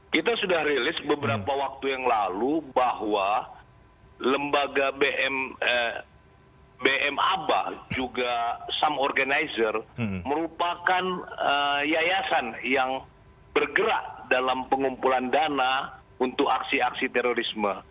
kita sudah rilis beberapa waktu yang lalu bahwa lembaga bm aba juga sam organizer merupakan yayasan yang bergerak dalam pengumpulan dana untuk aksi aksi terorisme